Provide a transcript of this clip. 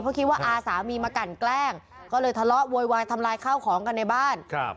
เพราะคิดว่าอาสามีมากันแกล้งก็เลยทะเลาะโวยวายทำลายข้าวของกันในบ้านครับ